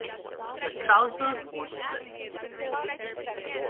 Your trousers won't split.